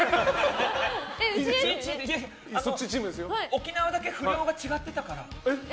沖縄だけ不良が違ってから。